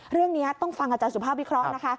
เรื่องนี้ต้องฟังอาจารย์สุภาพวิเคราะห์นะคะ